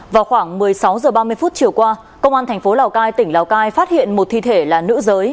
vào khoảng một mươi sáu h ba mươi chiều qua công an thành phố lào cai tỉnh lào cai phát hiện một thi thể là nữ giới